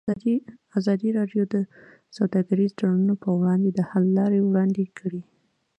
ازادي راډیو د سوداګریز تړونونه پر وړاندې د حل لارې وړاندې کړي.